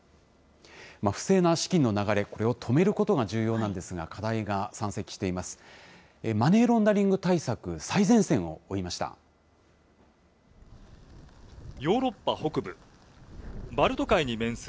不正な資金の流れ、これを止めることが重要なんですが、課題が山積しています。